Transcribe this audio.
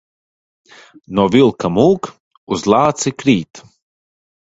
No vilka mūk, uz lāci krīt.